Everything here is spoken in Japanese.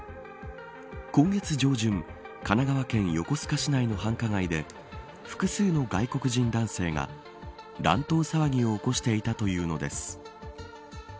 今月上旬神奈川県横須賀市内の繁華街で複数の外国人男性が乱闘騒ぎを起こしていたというのです。